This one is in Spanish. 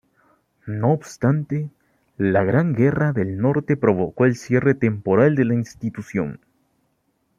No obstante, la Gran Guerra del Norte provocó el cierre temporal de la institución.